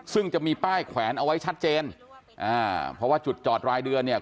ซึ่งจะมีป้ายแขวนเอาไว้ชัดเจนอ่าเพราะว่าจุดจอดรายเดือนเนี่ย